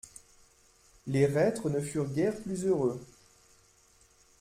Les reîtres ne furent guère plus heureux.